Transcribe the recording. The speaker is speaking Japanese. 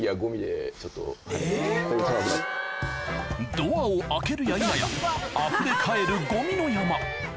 ドアを開けるや否やあふれ返るゴミの山